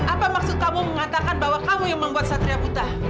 apa maksud kamu mengatakan bahwa kamu yang membuat satria buta